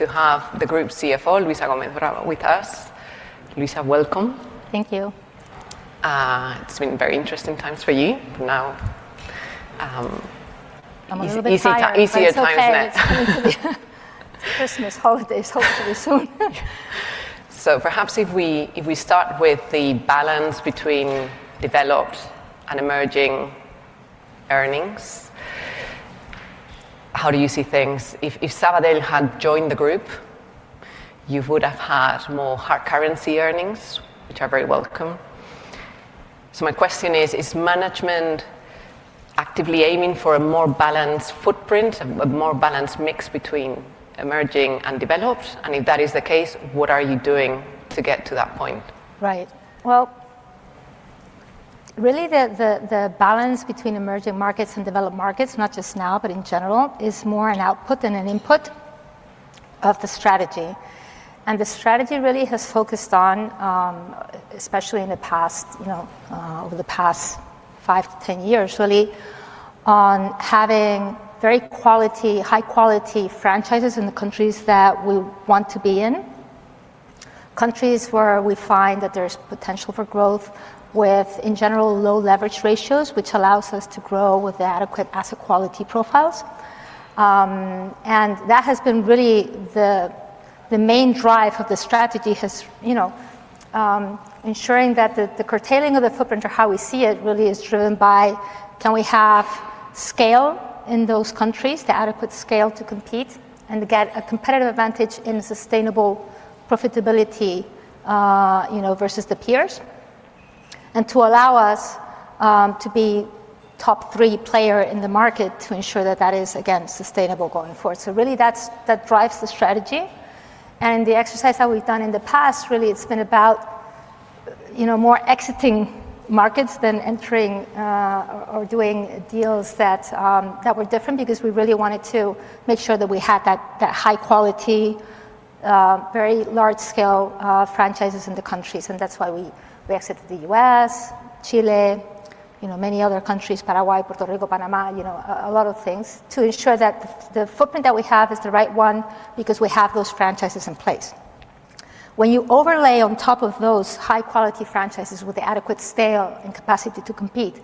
To have the group's CFO, Luisa Gómez Bravo, with us. Luisa, welcome. Thank you. It's been very interesting times for you. Now, easier times next. Christmas, holidays, hopefully soon. Perhaps if we start with the balance between Developed and Emerging earnings, how do you see things? If Sabadell had joined the group, you would have had more hard currency earnings, which are very welcome. My question is, is management actively aiming for a more balanced footprint, a more balanced mix between Emerging and Developed? If that is the case, what are you doing to get to that point? Right. Really, the balance between Emerging Markets and Developed Markets, not just now, but in general, is more an output than an input of the strategy. The strategy really has focused on, especially in the past, over the past five to ten years, really, on having very high-quality franchises in the countries that we want to be in, countries where we find that there is potential for growth with, in general, low leverage ratios, which allows us to grow with adequate asset quality profiles. That has been really the main drive of the strategy, ensuring that the curtailing of the footprint or how we see it really is driven by can we have Scale in those countries, the adequate Scale to compete and get a competitive advantage in sustainable profitability versus the peers, and to allow us to be a top three player in the market to ensure that that is, again, sustainable going forward. Really, that drives the strategy. The exercise that we've done in the past, really, it's been about more exiting markets than entering or doing deals that were different because we really wanted to make sure that we had that high-quality, very large-scale franchises in the countries. That is why we exited the U.S., Chile, many other countries, Paraguay, Puerto Rico, Panama, a lot of things, to ensure that the footprint that we have is the right one because we have those franchises in place. When you overlay on top of those high-quality franchises with the adequate scale and capacity to compete,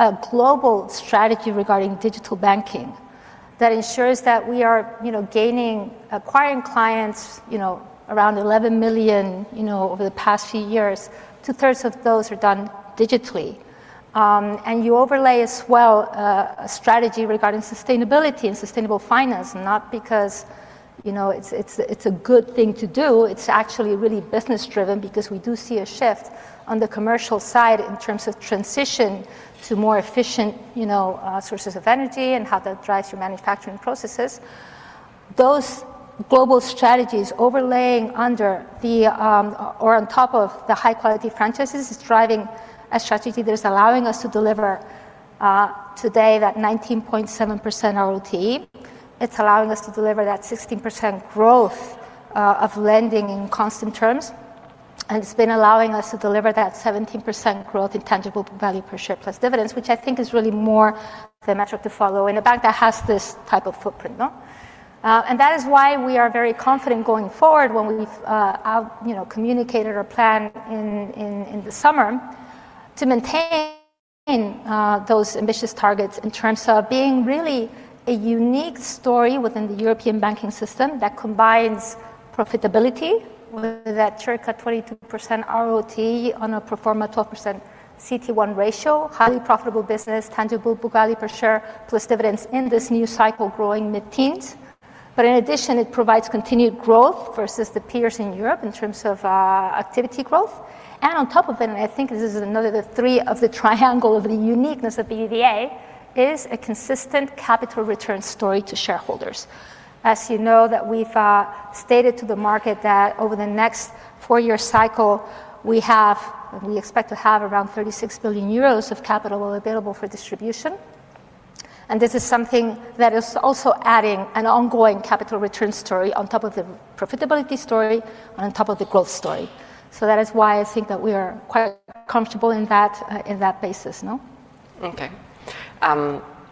a global strategy regarding digital banking that ensures that we are acquiring clients around 11 million over the past few years, two-thirds of those are done digitally. You overlay as well a strategy regarding sustainability and sustainable finance, not because it is a good thing to do. It is actually really business-driven because we do see a shift on the commercial side in terms of transition to more efficient sources of energy and how that drives your manufacturing processes. Those global strategies overlaying under or on top of the high-quality franchises is driving a strategy that is allowing us to deliver today that 19.7% ROT. It is allowing us to deliver that 16% growth of lending in constant terms. It has been allowing us to deliver that 17% growth in tangible value per share plus dividends, which I think is really more the metric to follow in a bank that has this type of footprint. That is why we are very confident going forward when we have communicated our plan in the summer to maintain those ambitious targets in terms of being really a unique story within the European banking system that combines profitability with that terrific 22% ROT on a proforma 12% CT1 ratio, highly profitable business, tangible value per share plus dividends in this new cycle growing mid-teens. In addition, it provides continued growth versus the peers in Europe in terms of activity growth. On top of it, and I think this is another three of the triangle of the uniqueness of BBVA, is a consistent capital return story to shareholders. As you know, we've stated to the market that over the next four-year cycle, we expect to have around 36 billion euros of capital available for distribution. This is something that is also adding an ongoing capital return story on top of the profitability story and on top of the growth story. That is why I think that we are quite comfortable in that basis. Okay.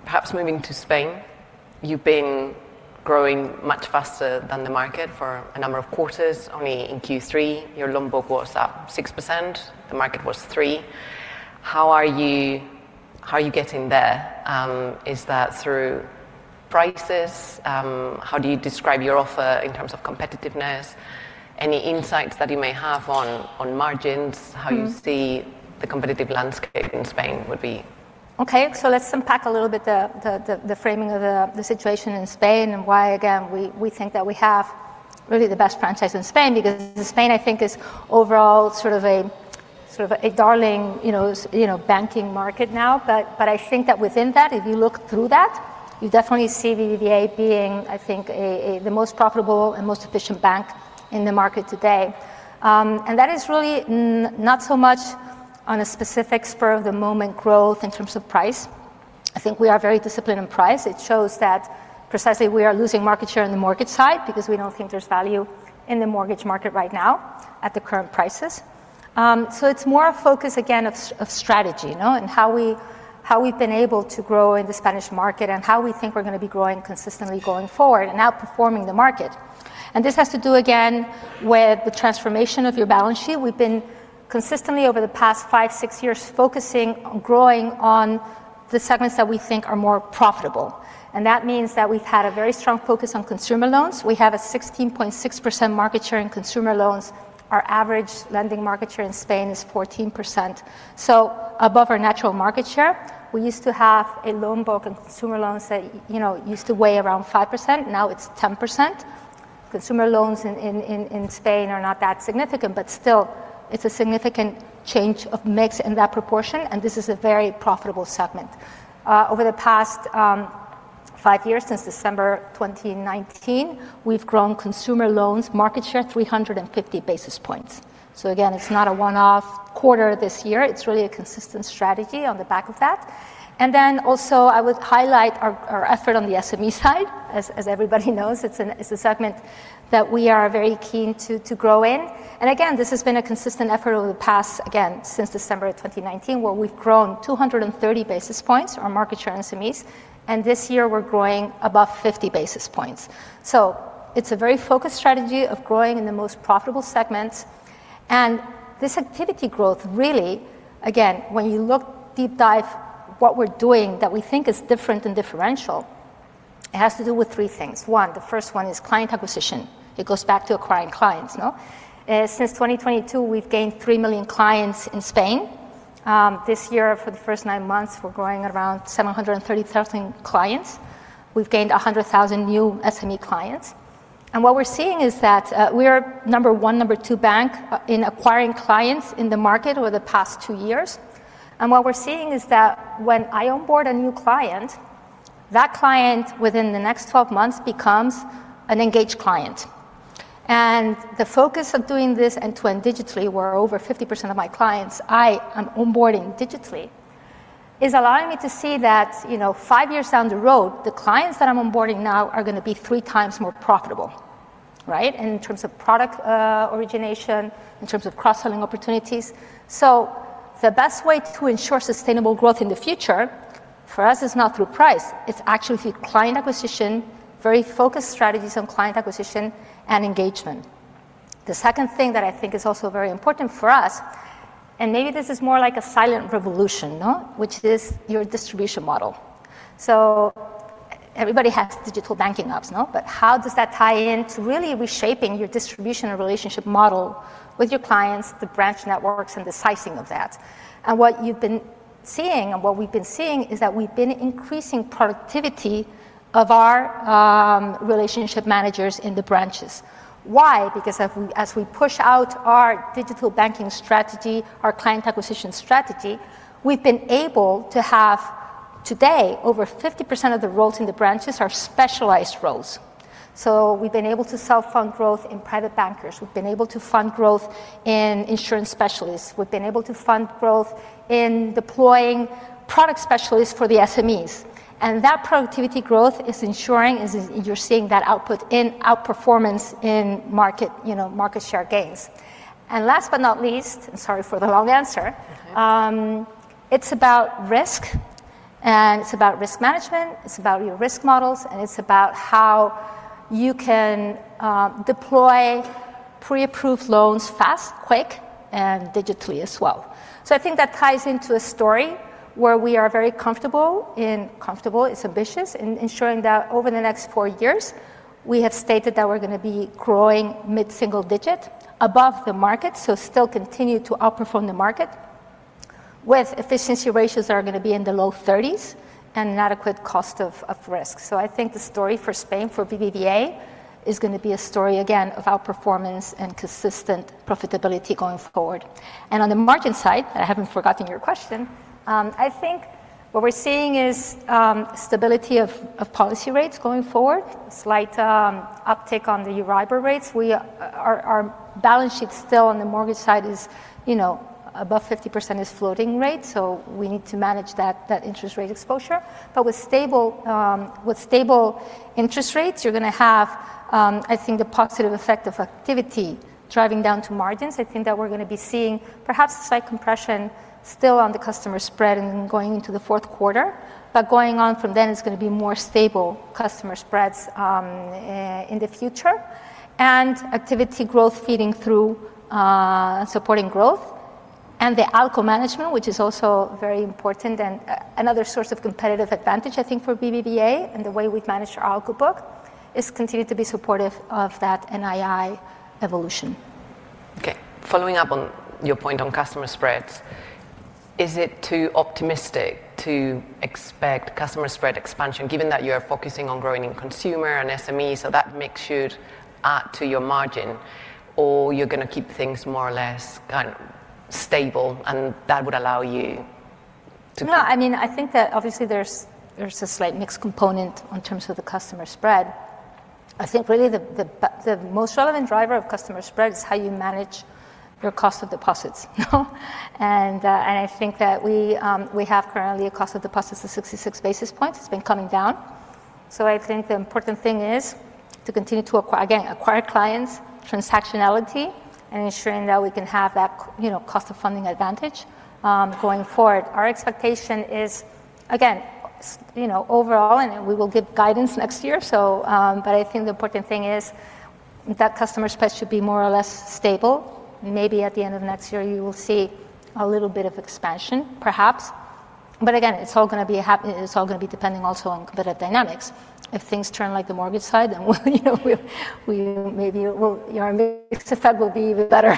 Perhaps moving to Spain, you've been growing much faster than the market for a number of quarters. Only in Q3, your loan book was up 6%. The market was 3%. How are you getting there? Is that through prices? How do you describe your offer in terms of competitiveness? Any insights that you may have on margins, how you see the competitive landscape in Spain would be? Okay. Let's unpack a little bit the framing of the situation in Spain and why, again, we think that we have really the best franchise in Spain because Spain, I think, is overall sort of a darling banking market now. I think that within that, if you look through that, you definitely see BBVA being, I think, the most profitable and most efficient bank in the market today. That is really not so much on a specific spur of the moment growth in terms of price. I think we are very disciplined in price. It shows that precisely we are losing market share on the mortgage side because we do not think there is value in the mortgage market right now at the current prices. It is more a focus, again, of strategy and how we have been able to grow in the Spanish market and how we think we are going to be growing consistently going forward and outperforming the market. This has to do, again, with the transformation of your balance sheet. We have been consistently over the past five, six years focusing on growing on the segments that we think are more profitable. That means that we have had a very strong focus on consumer loans. We have a 16.6% market share in consumer loans. Our average lending market share in Spain is 14%. Above our natural market share, we used to have a loan book in consumer loans that used to weigh around 5%. Now it is 10%. Consumer loans in Spain are not that significant, but still, it is a significant change of mix in that proportion. This is a very profitable segment. Over the past five years, since December 2019, we've grown consumer loans market share 350 basis points. It is not a one-off quarter this year. It is really a consistent strategy on the back of that. I would also highlight our effort on the SME side. As everybody knows, it is a segment that we are very keen to grow in. This has been a consistent effort over the past, again, since December 2019, where we've grown 230 basis points on market share in SMEs. This year, we are growing above 50 basis points. It is a very focused strategy of growing in the most profitable segments. This activity growth really, when you look deep dive, what we are doing that we think is different and differential, it has to do with three things. One, the first one is client acquisition. It goes back to acquiring clients. Since 2022, we've gained 3 million clients in Spain. This year, for the first nine months, we're growing around 730,000 clients. We've gained 100,000 new SME clients. What we're seeing is that we are number one, number two bank in acquiring clients in the market over the past two years. What we're seeing is that when I onboard a new client, that client within the next 12 months becomes an engaged client. The focus of doing this end-to-end digitally, where over 50% of my clients I am onboarding digitally, is allowing me to see that five years down the road, the clients that I'm onboarding now are going to be three times more profitable in terms of product origination, in terms of cross-selling opportunities. The best way to ensure sustainable growth in the future for us is not through price. It's actually through client acquisition, very focused strategies on client acquisition and engagement. The second thing that I think is also very important for us, and maybe this is more like a silent revolution, which is your distribution model. Everybody has digital banking apps, but how does that tie into really reshaping your distribution and relationship model with your clients, the branch networks, and the sizing of that? What you've been seeing and what we've been seeing is that we've been increasing productivity of our relationship managers in the branches. Why? Because as we push out our digital banking strategy, our client acquisition strategy, we've been able to have today over 50% of the roles in the branches are specialized roles. We've been able to sell fund growth in private bankers. We've been able to fund growth in insurance specialists. We've been able to fund growth in deploying product specialists for the SMEs. That productivity growth is ensuring you're seeing that output in outperformance in market share gains. Last but not least, and sorry for the long answer, it's about risk. It's about risk management. It's about your risk models. It's about how you can deploy pre-approved loans fast, quick, and digitally as well. I think that ties into a story where we are very comfortable, and comfortable is ambitious, in ensuring that over the next four years, we have stated that we're going to be growing mid-single digit above the market, so still continue to outperform the market with efficiency ratios that are going to be in the low 30s and an adequate cost of risk. I think the story for Spain, for BBVA, is going to be a story, again, of outperformance and consistent profitability going forward. On the margin side, I haven't forgotten your question. I think what we're seeing is stability of policy rates going forward, slight uptick on the Euribor rates. Our balance sheet still on the mortgage side is above 50% is floating rate. We need to manage that interest rate exposure. With stable interest rates, you're going to have, I think, the positive effect of activity driving down to margins. I think that we're going to be seeing perhaps slight compression still on the customer spread and going into the fourth quarter. Going on from then, it's going to be more stable customer spreads in the future and activity growth feeding through supporting growth and the ALCO management, which is also very important and another source of competitive advantage, I think, for BBVA and the way we've managed our ALCO book is continue to be supportive of that NII evolution. Okay. Following up on your point on customer spreads, is it too optimistic to expect customer spread expansion given that you are focusing on growing in consumer and SME so that mix should add to your margin or you're going to keep things more or less stable and that would allow you to grow? No. I mean, I think that obviously there's a slight mixed component in terms of the customer spread. I think really the most relevant driver of customer spread is how you manage your cost of deposits. I think that we have currently a cost of deposits of 66 basis points. It's been coming down. I think the important thing is to continue to, again, acquire clients, transactionality, and ensuring that we can have that cost of funding advantage going forward. Our expectation is, again, overall, and we will give guidance next year. I think the important thing is that customer spread should be more or less stable. Maybe at the end of next year, you will see a little bit of expansion, perhaps. Again, it's all going to be depending also on competitive dynamics. If things turn like the mortgage side, then maybe your mixed effect will be even better.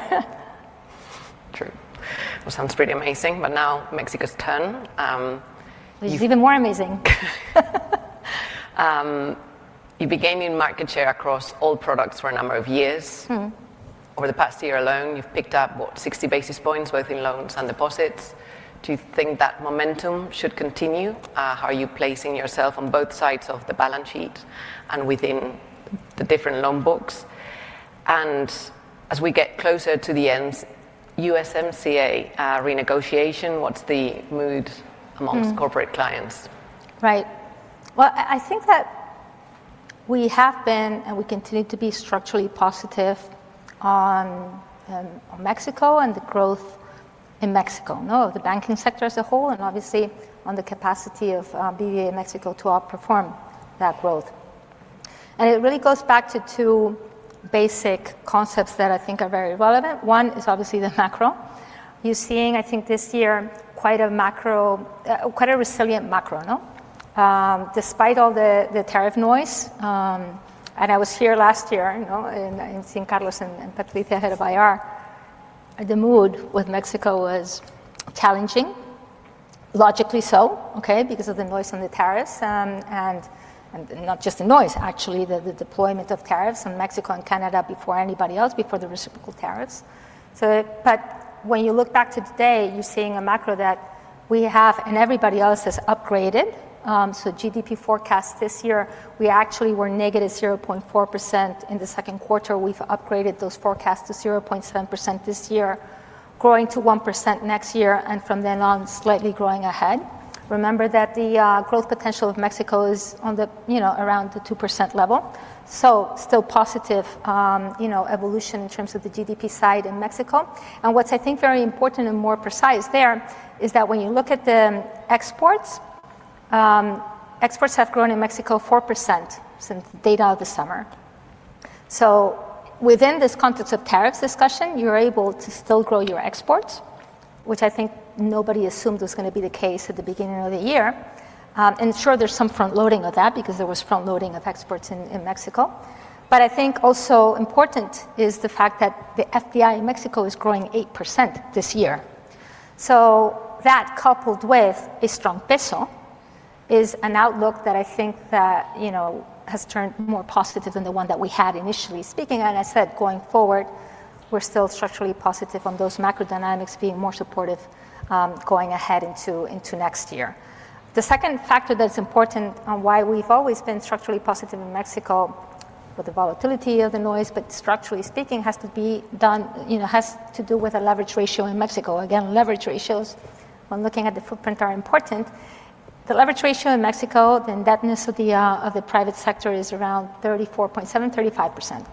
True. Sounds pretty amazing. Now Mexico's turn. It's even more amazing. You've been gaining market share across all products for a number of years. Over the past year alone, you've picked up, what, 60 basis points both in loans and deposits. Do you think that momentum should continue? How are you placing yourself on both sides of the balance sheet and within the different loan books? As we get closer to the end, USMCA renegotiation, what's the mood amongst corporate clients? Right. I think that we have been and we continue to be structurally positive on Mexico and the growth in Mexico, the banking sector as a whole, and obviously on the capacity of BBVA Mexico to outperform that growth. It really goes back to two basic concepts that I think are very relevant. One is obviously the macro. You're seeing, I think this year, quite a resilient macro despite all the tariff noise. I was here last year in San Carlos and Patricia, Head of IR. The mood with Mexico was challenging, logically so, because of the noise on the tariffs. Not just the noise, actually, the deployment of tariffs in Mexico and Canada before anybody else, before the reciprocal tariffs. When you look back to today, you're seeing a macro that we have and everybody else has upgraded. GDP forecast this year, we actually were negative 0.4% in the second quarter. We've upgraded those forecasts to 0.7% this year, growing to 1% next year, and from then on, slightly growing ahead. Remember that the growth potential of Mexico is around the 2% level. Still positive evolution in terms of the GDP side in Mexico. What's, I think, very important and more precise there is that when you look at the exports, exports have grown in Mexico 4% since the data of the summer. Within this context of tariffs discussion, you're able to still grow your exports, which I think nobody assumed was going to be the case at the beginning of the year. Sure, there's some front-loading of that because there was front-loading of exports in Mexico. I think also important is the fact that the FDI in Mexico is growing 8% this year. That coupled with a strong peso is an outlook that I think has turned more positive than the one that we had initially speaking. I said going forward, we're still structurally positive on those macro dynamics being more supportive going ahead into next year. The second factor that's important on why we've always been structurally positive in Mexico with the volatility of the noise, but structurally speaking, has to do with the leverage ratio in Mexico. Again, leverage ratios, when looking at the footprint, are important. The leverage ratio in Mexico, the indebtedness of the private sector is around 34.7%, 35%.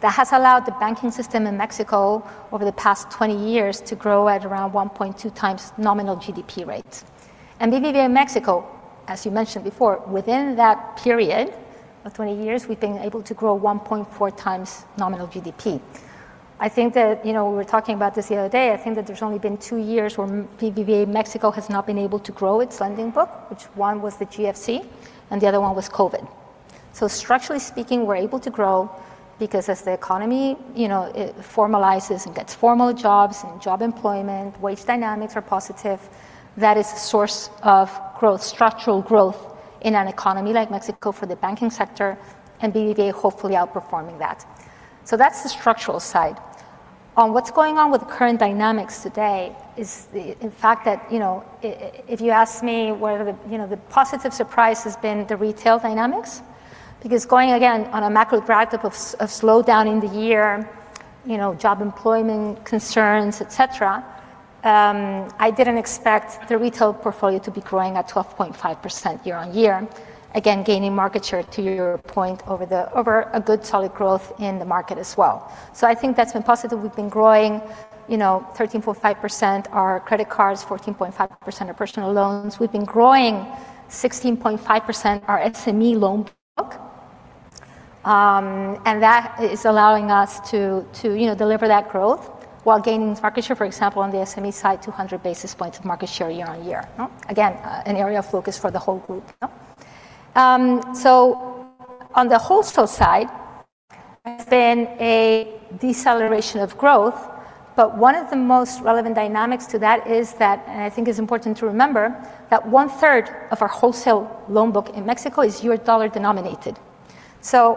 That has allowed the banking system in Mexico over the past 20 years to grow at around 1.2x nominal GDP rate. BBVA Mexico, as you mentioned before, within that period of 20 years, we've been able to grow 1.4x nominal GDP. I think that we were talking about this the other day. I think that there's only been two years where BBVA Mexico has not been able to grow its lending book, which one was the GFC and the other one was COVID. Structurally speaking, we're able to grow because as the economy formalizes and gets formal jobs and job employment, wage dynamics are positive. That is a source of growth, structural growth in an economy like Mexico for the banking sector and BBVA hopefully outperforming that. That's the structural side. On what's going on with the current dynamics today is, in fact, that if you ask me where the positive surprise has been, the retail dynamics, because going again on a macro graph type of slowdown in the year, job employment concerns, et cetera, I didn't expect the retail portfolio to be growing at 12.5% year on year, again, gaining market share to your point over a good solid growth in the market as well. I think that's been positive. We've been growing 13.5% our credit cards, 14.5% our personal loans. We've been growing 16.5% our SME loan book. That is allowing us to deliver that growth while gaining market share, for example, on the SME side, 200 basis points of market share year on year. Again, an area of focus for the whole group. On the wholesale side, there's been a deceleration of growth. One of the most relevant dynamics to that is that, and I think it's important to remember, that one third of our wholesale loan book in Mexico is U.S. dollar denominated.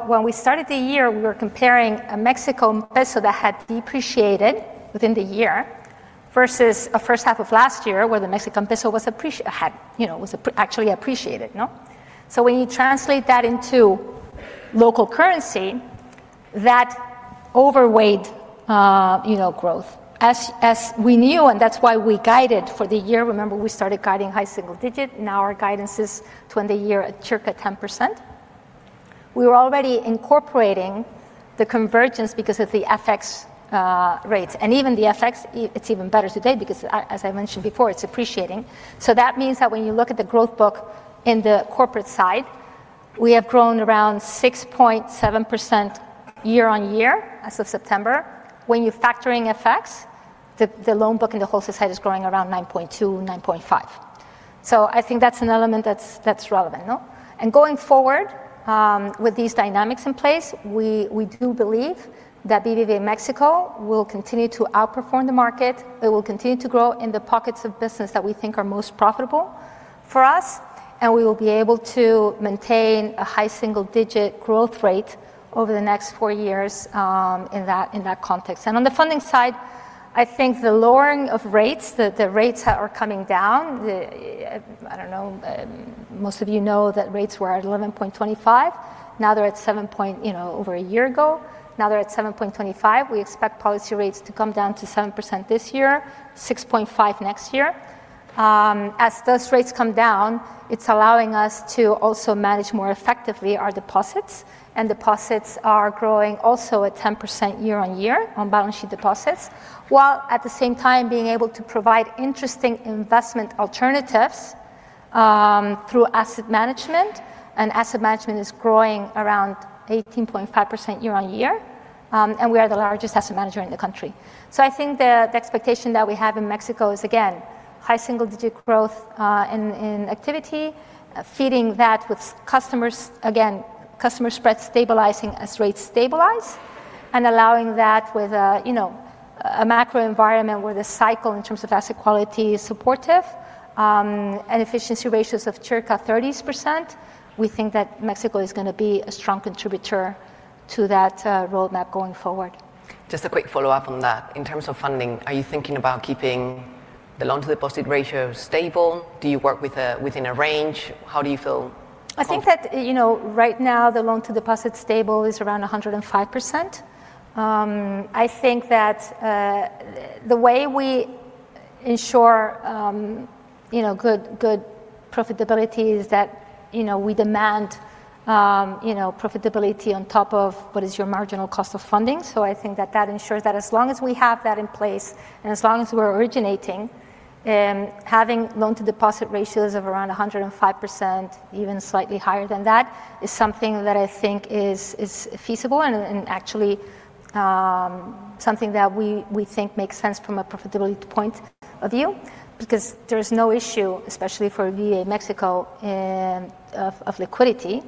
When we started the year, we were comparing a Mexican peso that had depreciated within the year versus a first half of last year where the Mexican peso was actually appreciated. When you translate that into local currency, that overweighed growth. As we knew, and that's why we guided for the year, remember we started guiding high single digit. Now our guidance is to end the year at circa 10%. We were already incorporating the convergence because of the FX rate. Even the FX, it's even better today because, as I mentioned before, it's appreciating. That means that when you look at the growth book in the corporate side, we have grown around 6.7% year on year as of September. When you factor in FX, the loan book in the wholesale side is growing around 9.2%-9.5%. I think that's an element that's relevant. Going forward with these dynamics in place, we do believe that BBVA Mexico will continue to outperform the market. It will continue to grow in the pockets of business that we think are most profitable for us. We will be able to maintain a high single digit growth rate over the next four years in that context. On the funding side, I think the lowering of rates, the rates that are coming down, I don't know, most of you know that rates were at 11.25. Now they're at 7 point over a year ago. Now they're at 7.25. We expect policy rates to come down to 7% this year, 6.5% next year. As those rates come down, it is allowing us to also manage more effectively our deposits. Deposits are growing also at 10% year on year on balance sheet deposits, while at the same time being able to provide interesting investment alternatives through asset management. Asset management is growing around 18.5% year on year. We are the largest asset manager in the country. I think the expectation that we have in Mexico is, again, high single digit growth in activity, feeding that with customers, again, customer spread stabilizing as rates stabilize and allowing that with a macro environment where the cycle in terms of asset quality is supportive and efficiency ratios of circa 30%. We think that Mexico is going to be a strong contributor to that roadmap going forward. Just a quick follow-up on that. In terms of funding, are you thinking about keeping the loan-to-deposit ratio stable? Do you work within a range? How do you feel? I think that right now the loan-to-deposit stable is around 105%. I think that the way we ensure good profitability is that we demand profitability on top of what is your marginal cost of funding. I think that that ensures that as long as we have that in place and as long as we're originating, having loan-to-deposit ratios of around 105%, even slightly higher than that, is something that I think is feasible and actually something that we think makes sense from a profitability point of view because there is no issue, especially for BBVA Mexico, of liquidity.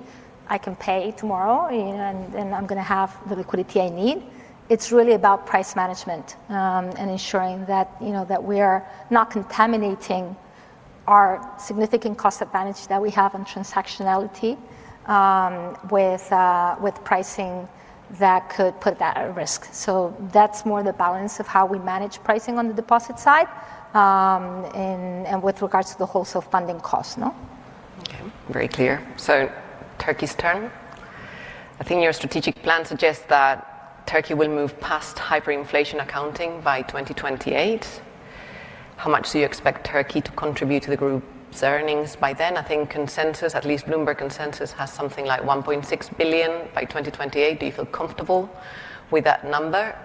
I can pay tomorrow and I'm going to have the liquidity I need. It's really about price management and ensuring that we are not contaminating our significant cost advantage that we have on transactionality with pricing that could put that at risk. That's more the balance of how we manage pricing on the deposit side and with regards to the wholesale funding costs. Okay. Very clear. Turkey's turn. I think your strategic plan suggests that Turkey will move past hyperinflation accounting by 2028. How much do you expect Turkey to contribute to the group's earnings by then? I think consensus, at least Bloomberg Consensus, has something like $1.6 billion by 2028. Do you feel comfortable with that number?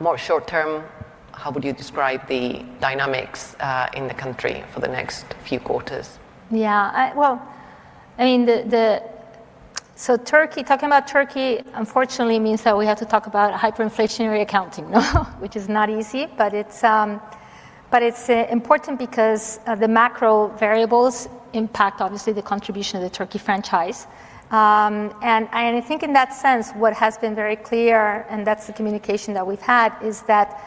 More short term, how would you describe the dynamics in the country for the next few quarters? Yeah. I mean, talking about Turkey, unfortunately, means that we have to talk about hyperinflationary accounting, which is not easy. It is important because the macro variables impact, obviously, the contribution of the Turkey franchise. I think in that sense, what has been very clear, and that is the communication that we have had, is that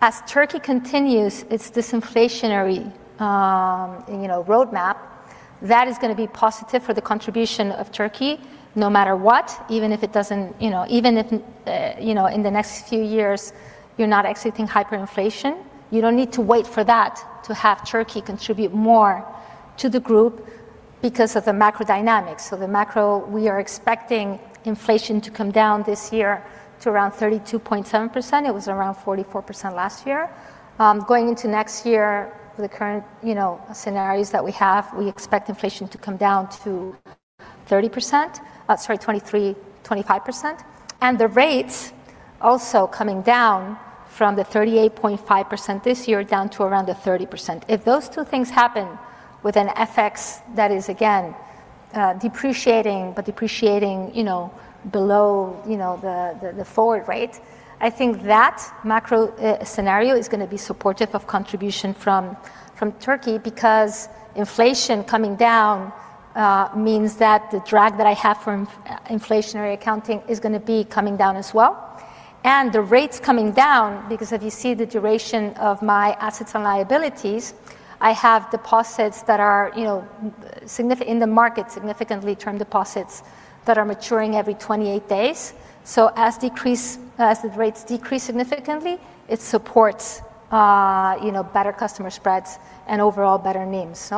as Turkey continues its disinflationary roadmap, that is going to be positive for the contribution of Turkey no matter what, even if it does not, even if in the next few years you are not exiting hyperinflation, you do not need to wait for that to have Turkey contribute more to the group because of the macro dynamics. The macro, we are expecting inflation to come down this year to around 32.7%. It was around 44% last year. Going into next year, with the current scenarios that we have, we expect inflation to come down to 30%, sorry, 23%-25%. And the rates also coming down from the 38.5% this year down to around the 30%. If those two things happen with an FX that is, again, depreciating, but depreciating below the forward rate, I think that macro scenario is going to be supportive of contribution from Turkey because inflation coming down means that the drag that I have for inflationary accounting is going to be coming down as well. And the rates coming down because if you see the duration of my assets and liabilities, I have deposits that are in the market, significantly term deposits that are maturing every 28 days. As the rates decrease significantly, it supports better customer spreads and overall better names.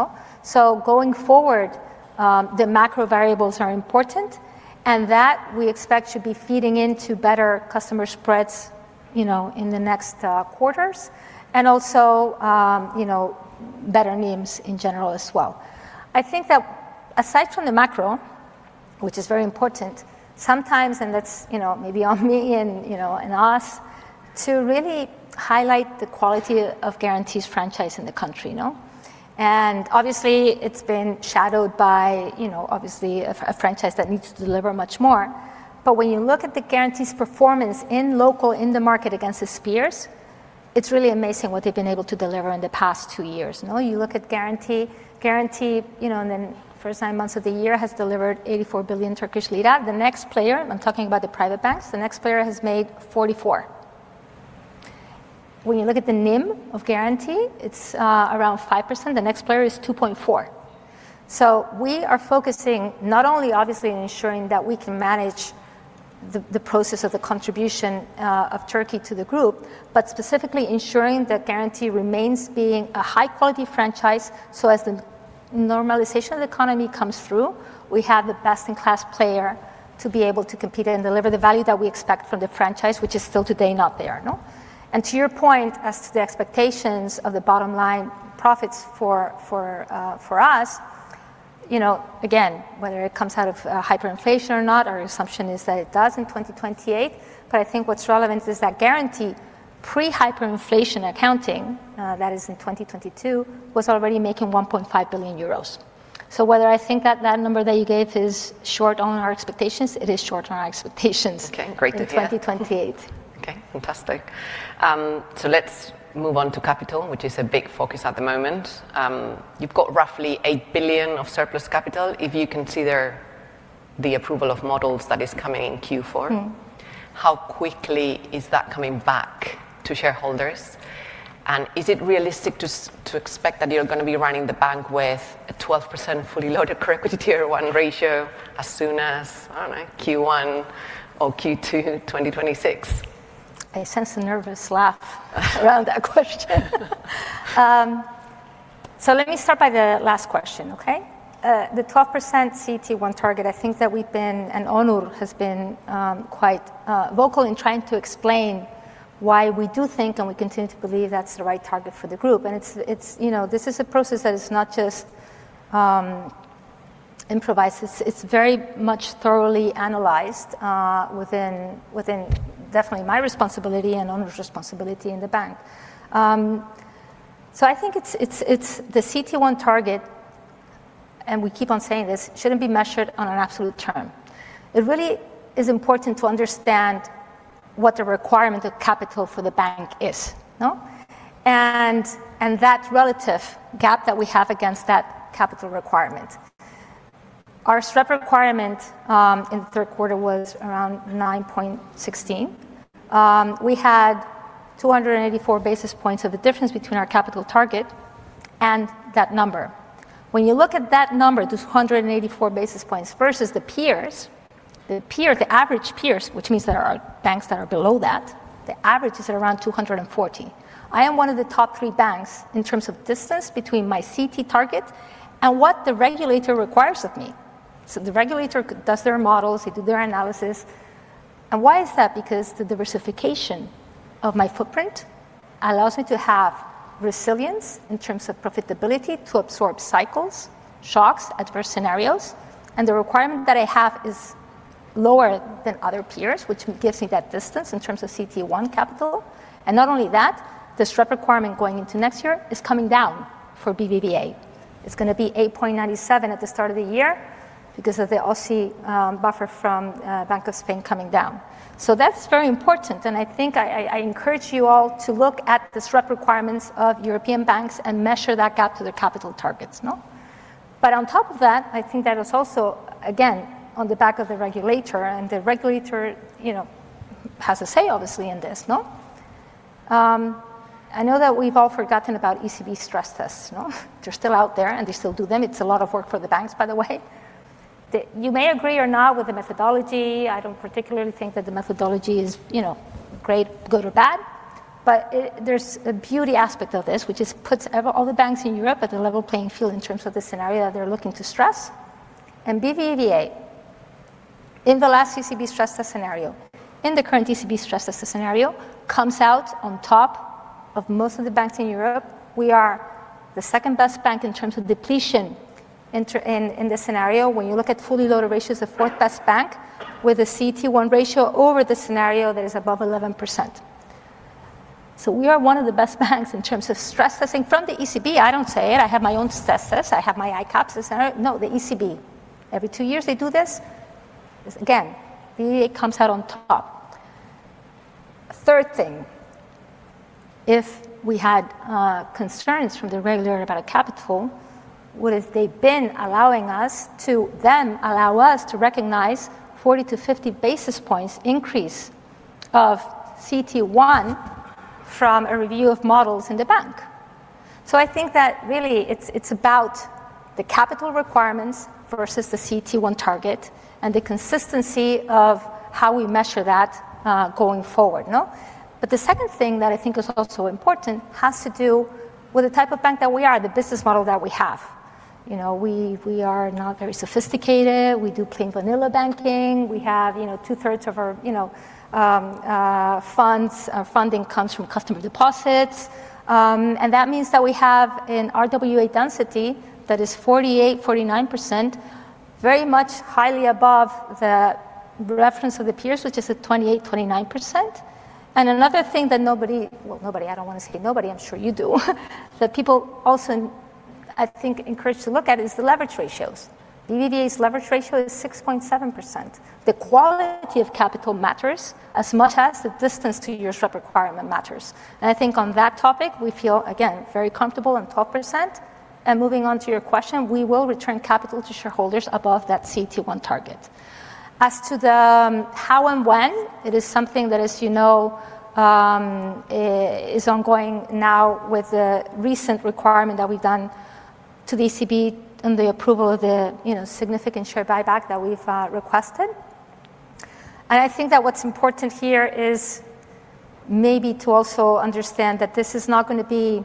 Going forward, the macro variables are important. That we expect should be feeding into better customer spreads in the next quarters and also better NIMs in general as well. I think that aside from the macro, which is very important, sometimes, and that's maybe on me and us, to really highlight the quality of Garanti's franchise in the country. Obviously, it's been shadowed by a franchise that needs to deliver much more. When you look at Garanti's performance in local, in the market against its peers, it's really amazing what they've been able to deliver in the past two years. You look at Garanti, and the first nine months of the year has delivered 84 billion Turkish lira. The next player, I'm talking about the private banks, the next player has made 44 billion. When you look at the NIM of Garanti, it's around 5%. The next player is 2.4%. We are focusing not only obviously on ensuring that we can manage the process of the contribution of Turkey to the group, but specifically ensuring that Garanti remains being a high-quality franchise. As the normalization of the economy comes through, we have the best-in-class player to be able to compete and deliver the value that we expect from the franchise, which is still today not there. To your point, as to the expectations of the bottom line profits for us, again, whether it comes out of hyperinflation or not, our assumption is that it does in 2028. I think what is relevant is that Garanti pre-hyperinflation accounting, that is in 2022, was already making 1.5 billion euros. Whether I think that that number that you gave is short on our expectations, it is short on our expectations in 2028. Okay. Fantastic. Let's move on to capital, which is a big focus at the moment. You have got roughly €8 billion of surplus capital. If you consider the approval of models that is coming in Q4, how quickly is that coming back to shareholders? Is it realistic to expect that you are going to be running the bank with a 12% fully loaded corrected year one ratio as soon as Q1 or Q2 2026? I sense a nervous laugh around that question. Let me start by the last question, okay? The 12% CT1 target, I think that we've been, and Onur has been quite vocal in trying to explain why we do think and we continue to believe that's the right target for the group. This is a process that is not just improvised. It's very much thoroughly analyzed within definitely my responsibility and Onur's responsibility in the bank. I think the CT1 target, and we keep on saying this, shouldn't be measured on an absolute term. It really is important to understand what the requirement of capital for the bank is and that relative gap that we have against that capital requirement. Our SREP requirement in the third quarter was around 9.16%. We had 284 basis points of a difference between our capital target and that number. When you look at that number, 284 basis points versus the peers, the average peers, which means there are banks that are below that, the average is around 240. I am one of the top three banks in terms of distance between my CT target and what the regulator requires of me. The regulator does their models, they do their analysis. Why is that? Because the diversification of my footprint allows me to have resilience in terms of profitability to absorb cycles, shocks, adverse scenarios. The requirement that I have is lower than other peers, which gives me that distance in terms of CT1 capital. Not only that, the SREP requirement going into next year is coming down for BBVA. It is going to be 8.97 at the start of the year because of the Aussie buffer from Bank of Spain coming down. That is very important. I think I encourage you all to look at the SREP requirements of European banks and measure that gap to their capital targets. On top of that, I think that is also, again, on the back of the regulator. The regulator has a say, obviously, in this. I know that we've all forgotten about ECB stress tests. They're still out there and they still do them. It's a lot of work for the banks, by the way. You may agree or not with the methodology. I don't particularly think that the methodology is great, good, or bad. There's a beauty aspect of this, which puts all the banks in Europe at a level playing field in terms of the scenario that they're looking to stress. BBVA, in the last ECB stress test scenario, in the current ECB stress test scenario, comes out on top of most of the banks in Europe. We are the second best bank in terms of depletion in the scenario. When you look at fully loaded ratios, the fourth best bank with a CT1 ratio over the scenario that is above 11%. We are one of the best banks in terms of stress testing from the ECB. I do not say it. I have my own stress tests. I have my ICAPS scenario. No, the ECB. Every two years they do this. Again, BBVA comes out on top. Third thing, if we had concerns from the regulator about capital, would it have been allowing us to then allow us to recognize 40-50 basis points increase of CT1 from a review of models in the bank? I think that really it's about the capital requirements versus the CT1 target and the consistency of how we measure that going forward. The second thing that I think is also important has to do with the type of bank that we are, the business model that we have. We are not very sophisticated. We do plain vanilla banking. We have two-thirds of our funding comes from customer deposits. That means that we have an RWA density that is 48%-49%, very much highly above the reference of the peers, which is at 28%-29%. Another thing that nobody, I don't want to say nobody, I'm sure you do, that people also, I think, are encouraged to look at is the leverage ratios. BBVA's leverage ratio is 6.7%. The quality of capital matters as much as the distance to your SREP requirement matters. I think on that topic, we feel, again, very comfortable on 12%. Moving on to your question, we will return capital to shareholders above that CT1 target. As to the how and when, it is something that, as you know, is ongoing now with the recent requirement that we've done to the ECB and the approval of the significant share buyback that we've requested. I think that what's important here is maybe to also understand that this is not going to be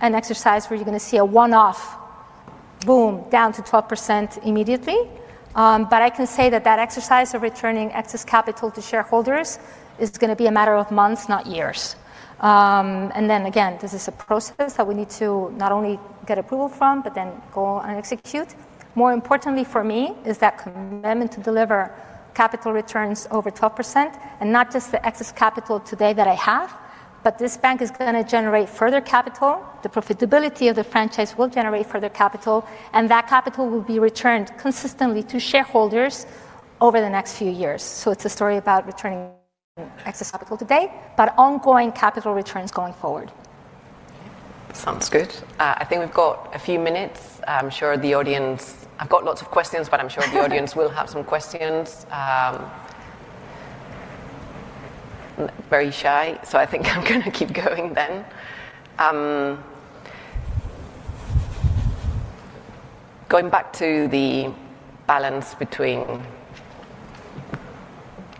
an exercise where you're going to see a one-off boom down to 12% immediately. I can say that that exercise of returning excess capital to shareholders is going to be a matter of months, not years. Again, this is a process that we need to not only get approval from, but then go and execute. More importantly for me is that commitment to deliver capital returns over 12% and not just the excess capital today that I have, but this bank is going to generate further capital. The profitability of the franchise will generate further capital. And that capital will be returned consistently to shareholders over the next few years. It is a story about returning excess capital today, but ongoing capital returns going forward. Sounds good. I think we've got a few minutes. I'm sure the audience, I've got lots of questions, but I'm sure the audience will have some questions. Very shy. I think I'm going to keep going then. Going back to the balance between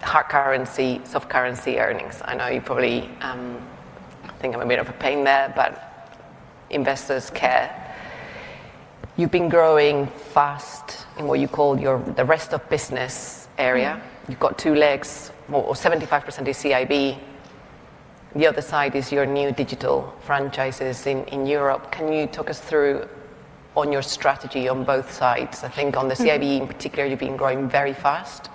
hard currency, soft currency earnings. I know you probably think I'm a bit of a pain there, but investors care. You've been growing fast in what you call the rest of business area. You've got two legs, or 75% is CIB. The other side is your new digital franchises in Europe. Can you talk us through on your strategy on both sides? I think on the CIB in particular, you've been growing very fast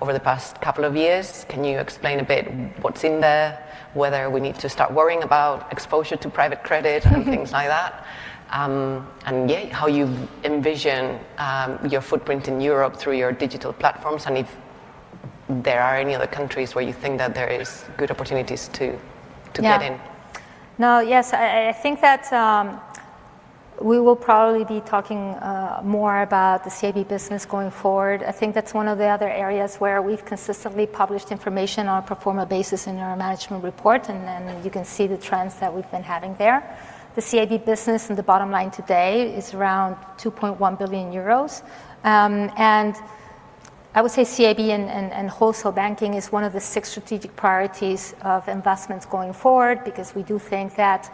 over the past couple of years. Can you explain a bit what's in there, whether we need to start worrying about exposure to private credit and things like that, and yeah, how you envision your footprint in Europe through your digital platforms and if there are any other countries where you think that there are good opportunities to get in? Yeah. No, yes, I think that we will probably be talking more about the CIB business going forward. I think that's one of the other areas where we've consistently published information on a pro forma basis in our management report. You can see the trends that we've been having there. The CIB business and the bottom line today is around 2.1 billion euros. I would say CIB and wholesale banking is one of the six strategic priorities of investments going forward because we do think that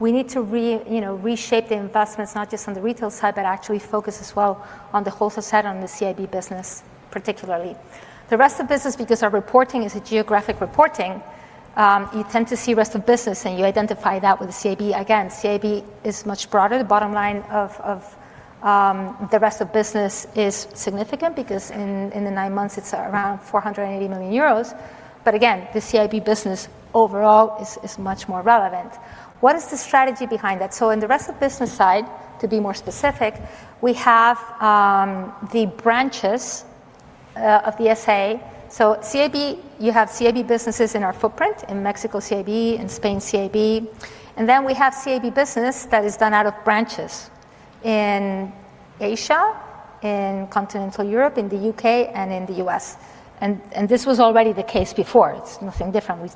we need to reshape the investments, not just on the retail side, but actually focus as well on the wholesale side on the CIB business particularly. The rest of business, because our reporting is a geographic reporting, you tend to see rest of business and you identify that with the CIB. Again, CIB is much broader. The bottom line of the rest of business is significant because in the nine months, it's around 480 million euros. Again, the CIB business overall is much more relevant. What is the strategy behind that? In the rest of business side, to be more specific, we have the branches of the SA. You have CIB businesses in our footprint in Mexico, CIB in Spain, CIB. Then we have CIB business that is done out of branches in Asia, in continental Europe, in the U.K., and in the U.S. This was already the case before. It's nothing different.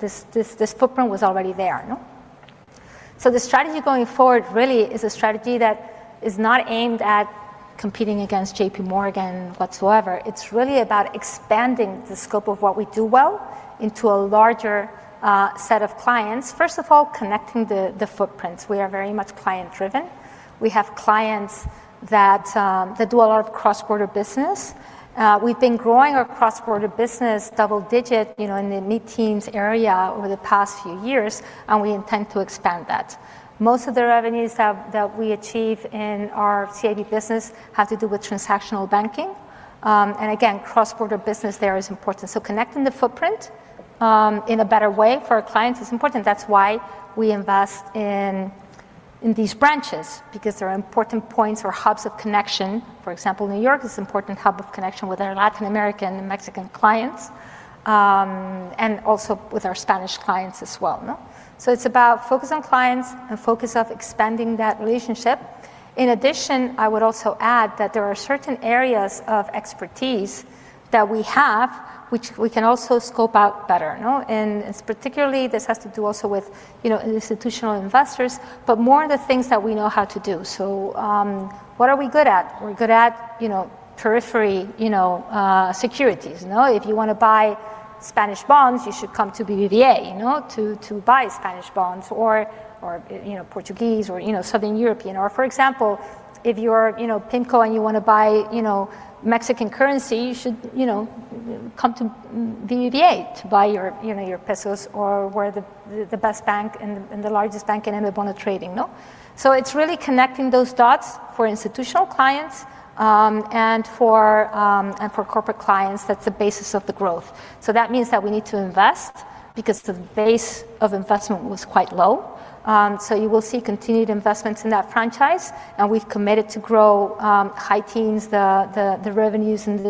This footprint was already there. The strategy going forward really is a strategy that is not aimed at competing against JPMorgan whatsoever. It's really about expanding the scope of what we do well into a larger set of clients. First of all, connecting the footprints. We are very much client-driven. We have clients that do a lot of cross-border business. We've been growing our cross-border business double-digit in the meetings area over the past few years, and we intend to expand that. Most of the revenues that we achieve in our CIB business have to do with transactional banking. Again, cross-border business there is important. Connecting the footprint in a better way for our clients is important. That is why we invest in these branches, because there are important points or hubs of connection. For example, New York is an important hub of connection with our Latin American and Mexican clients, and also with our Spanish clients as well. It is about focus on clients and focus on expanding that relationship. In addition, I would also add that there are certain areas of expertise that we have, which we can also scope out better. Particularly, this has to do also with institutional investors, but more of the things that we know how to do. What are we good at? We're good at periphery securities. If you want to buy Spanish bonds, you should come to BBVA to buy Spanish bonds or Portuguese or Southern European. For example, if you're PIMCO and you want to buy Mexican currency, you should come to BBVA to buy your pesos or we're the best bank and the largest bank in Eme Bonos trading. It's really connecting those dots for institutional clients and for corporate clients. That's the basis of the growth. That means that we need to invest because the base of investment was quite low. You will see continued investments in that franchise. We have committed to grow high teens, the revenues in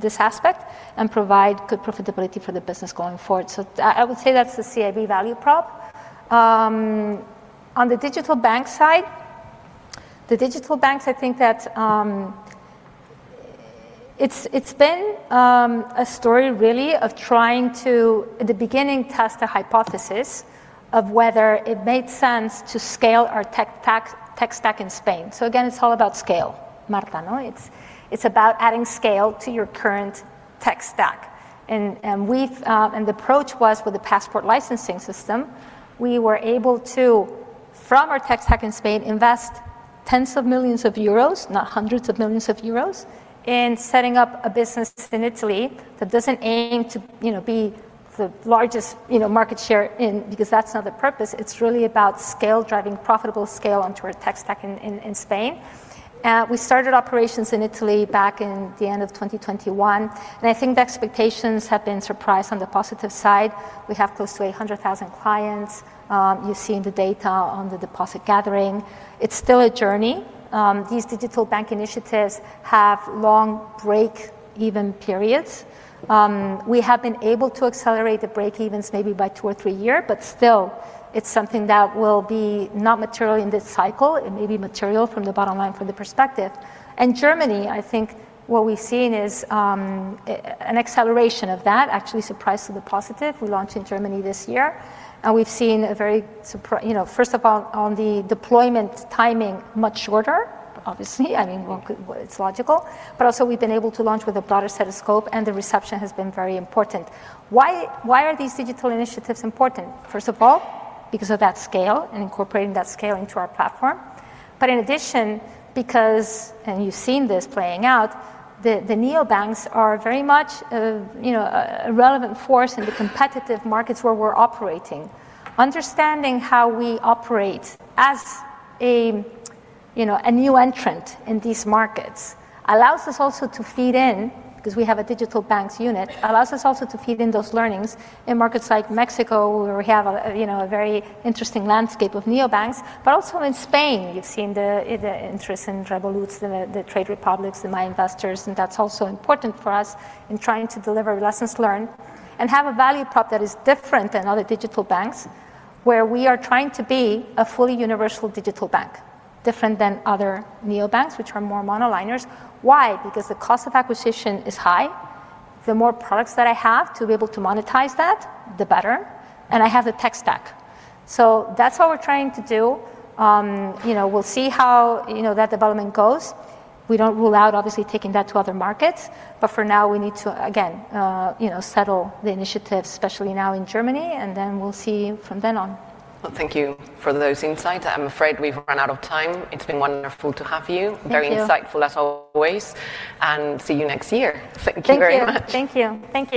this aspect, and provide good profitability for the business going forward. I would say that is the CIB value prop. On the digital bank side, the digital banks, I think that it has been a story really of trying to, at the beginning, test the hypothesis of whether it made sense to scale our tech stack in Spain. Again, it is all about scale, Marta. It is about adding scale to your current tech stack. The approach was with the passport licensing system. We were able to, from our tech stack in Spain, invest tens of millions of EUR, not hundreds of millions of EUR, in setting up a business in Italy that does not aim to be the largest market share because that is not the purpose. It is really about scale driving profitable scale onto our tech stack in Spain. We started operations in Italy back in the end of 2021. I think the expectations have been surprised on the positive side. We have close to 800,000 clients. You see in the data on the deposit gathering. It's still a journey. These digital bank initiatives have long break-even periods. We have been able to accelerate the break-evens maybe by two or three years, but still, it's something that will be not material in this cycle. It may be material from the bottom line from the perspective. In Germany, I think what we've seen is an acceleration of that, actually surprised to the positive. We launched in Germany this year. We've seen a very, first of all, on the deployment timing, much shorter, obviously. I mean, it's logical. Also, we've been able to launch with a broader set of scope, and the reception has been very important. Why are these digital initiatives important? First of all, because of that scale and incorporating that scale into our platform. In addition, because, and you've seen this playing out, the neobanks are very much a relevant force in the competitive markets where we're operating. Understanding how we operate as a new entrant in these markets allows us also to feed in, because we have a digital banks unit, allows us also to feed in those learnings in markets like Mexico, where we have a very interesting landscape of neobanks. Also in Spain, you've seen the interest in Revolut, the Trade Republics, the My Investors. That is also important for us in trying to deliver a lessons learned and have a value prop that is different than other digital banks, where we are trying to be a fully universal digital bank, different than other neobanks, which are more mono liners. Why? Because the cost of acquisition is high. The more products that I have to be able to monetize that, the better. And I have the tech stack. That is what we are trying to do. We will see how that development goes. We do not rule out, obviously, taking that to other markets. For now, we need to, again, settle the initiative, especially now in Germany. We will see from then on. Thank you for those insights. I'm afraid we've run out of time. It's been wonderful to have you. Very insightful, as always. See you next year. Thank you very much. Thank you. Thank you. Thank you.